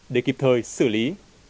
để kịp thời xử lý